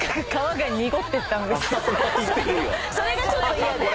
それがちょっと嫌で。